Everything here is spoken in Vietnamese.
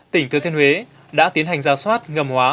tỉnh thừa thiên huế đã tiến hành ra soát ngầm hóa